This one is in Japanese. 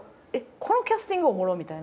このキャスティングおもろみたいな。